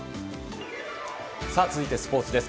続いて、スポーツです。